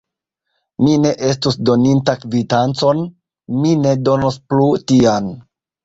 Mi ne estus doninta kvitancon: mi ne donos plu tian.